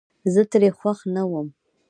زه ترې خوښ نه ووم